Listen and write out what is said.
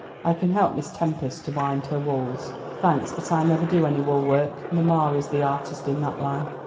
I can help Miss Tempest to wind her wools." "Thanks, but I never do any wool work. Mamma is the artist in that line."